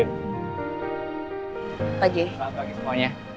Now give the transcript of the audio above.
selamat pagi semuanya